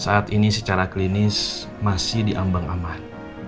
saat ini secara klinis masih diambang aman